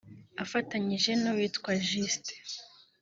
Afatanyije n’uwitwa Justin